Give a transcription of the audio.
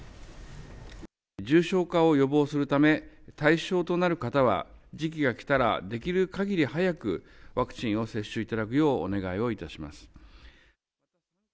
重症化を予防するため、対象となる方は、時期が来たらできるかぎり早くワクチンを接種いただくようお願いをいたします。